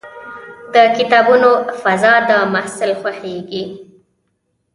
د کتابتون فضا د محصل خوښېږي.